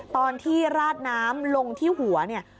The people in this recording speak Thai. ตอนที่ราดน้ำลงที่หัวเนี่ย